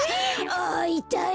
あいたい！